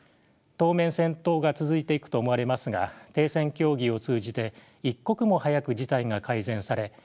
当面戦闘が続いていくと思われますが停戦協議を通じて一刻も早く事態が改善され